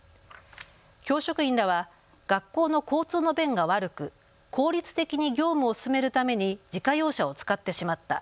教職員らは学校の交通の便が悪く効率的に業務を進めるために自家用車を使ってしまった。